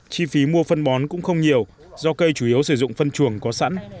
chi phí mua phân bón cũng không nhiều do cây chủ yếu sử dụng phân chuồng có sẵn